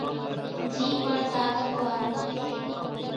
جھِي پڻ طاقت وارون هوئيَ سي۔